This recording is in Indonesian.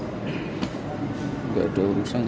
enggak ada urusan